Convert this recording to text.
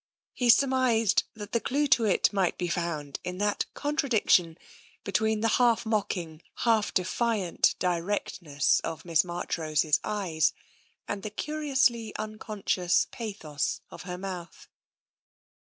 He sur mised that the clue to it might be found in that contra diction between the half mocking, half defiant direct ness of Miss Marchrose's eyes and the curiously un conscious pathos of her mouth.